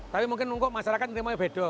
tapi mungkin nunggu masyarakat ngerimanya bedo